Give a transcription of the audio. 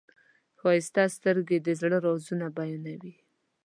ښایسته سترګې د زړه رازونه بیانوي.